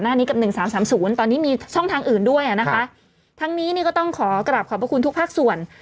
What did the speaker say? หน้านี้กับ๑๓๓๐ตอนนี้มีช่องทางอื่นด้วยนะคะทั้งนี้ก็ต้องขอกราบขอบคุณทุกภาคส่วน